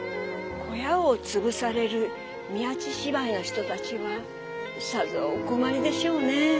小屋を潰される宮地芝居の人たちはさぞお困りでしょうね。